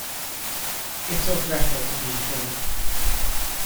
It's so dreadful to be poor!